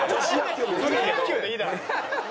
プロ野球でいいだろ！